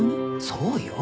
そうよ。